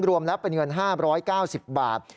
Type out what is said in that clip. รวมแล้วเป็นเงิน๕๙๐บาท